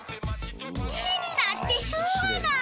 気になってしょうがない！